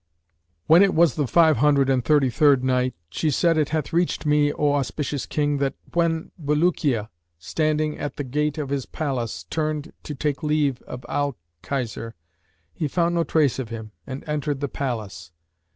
When it was the Five Hundred and Thirty third Night, She said, It hath reached me, O auspicious King, that "when Bulukiya, standing at the gate of his palace, turned to take leave of Al Khizr, he found no trace of him and entered the palace.